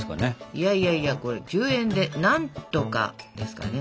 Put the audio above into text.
いやいやいやこれ１０円で「何とか」ですからね。